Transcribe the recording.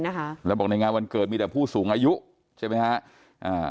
นะคะแล้วบอกในงานวันเกิดมีแต่ผู้สูงอายุใช่ไหมฮะอ่า